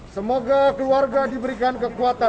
semoga keluarga diberikan kekuatan